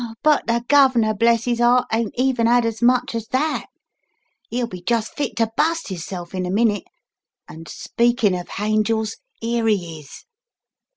But the guv'nor, bless 'is 'eart, ain't even 'ad as much as that ! He'll be just fit to bust 'isself in a minute — an* speakin' of hangels, 'ere he is